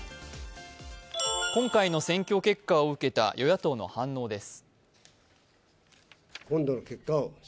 今回の選挙結果を受けた与野党の反応です。